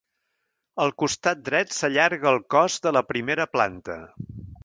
Al costat dret s'allarga el cos de la primera planta.